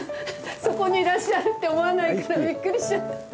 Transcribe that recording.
そこにいらっしゃるって思わないからびっくりしちゃった。